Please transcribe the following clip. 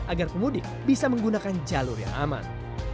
agar pemudik bisa menggunakan jalur yang aman